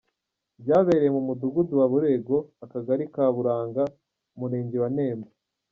Byabereye mu Mudugudu wa Burego, Akagari ka Buranga, Umurenge wa Nemba.